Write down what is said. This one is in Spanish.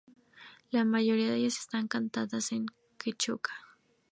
La mayoría de ellas están cantadas en quechua.